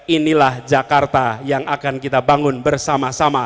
inilah jakarta yang akan kita bangun bersama sama